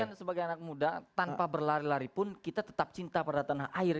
kan sebagai anak muda tanpa berlari lari pun kita tetap cinta pada tanah air